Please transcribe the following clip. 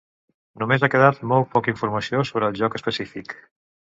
Només ha quedat molt poca informació sobre el joc específic.